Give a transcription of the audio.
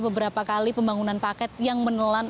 beberapa kali pembangunan paket yang menelan